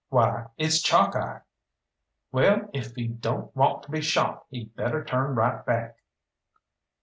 "Why, it's Chalkeye!" "Well, if he don't want to be shot he'd better turn right back."